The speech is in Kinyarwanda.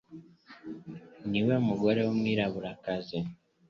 Niwe mugore w'Umwirabura kazi